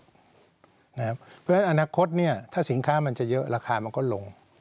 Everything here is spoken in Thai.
เพราะฉะนั้นอนาคตถ้าสินค้ามันจะเยอะราคามันก็ลง